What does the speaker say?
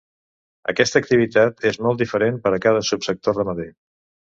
Aquesta activitat és molt diferent per a cada subsector ramader.